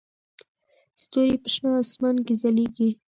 ستوري په شین اسمان کې ځلېږي.